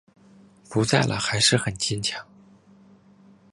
不在了还是很坚强